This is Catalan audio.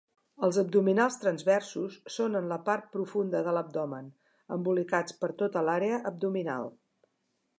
Els abdominals transversos són en la part profunda de l'abdomen, embolicats per tota l'àrea abdominal.